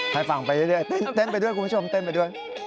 ให้ฟังไปเรื่อยเต้นไปด้วยคุณผู้ชมเต้นไปด้วย